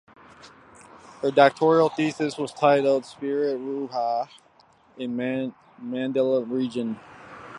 Her doctoral thesis was titled "Spirit Ruha in Mandaean Religion".